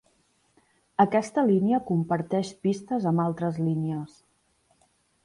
Aquesta línia comparteix pistes amb altres línies.